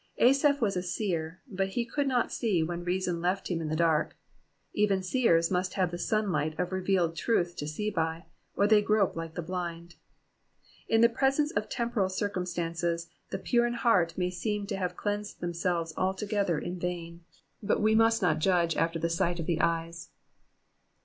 Asaph was a seer, but he could not see when reason left him in the dai k ; even seers must have the sunlight of revealed truth to see by, or they grope like the blind. In the presence of temporal circumstances, the pure in heart may seem to have cleansed themselves altogether in vain, but we must not judge after the sight of the eyes.